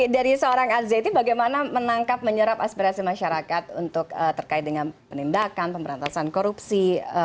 dari seorang azeti bagaimana menangkap menyerap aspirasi masyarakat untuk terkait dengan penindakan pemberantasan korupsi